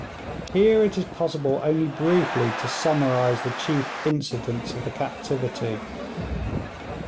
Here it is possible only briefly to summarise the chief incidents of the captivity.